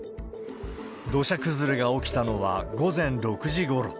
土砂崩れが起きたのは、午前６時ごろ。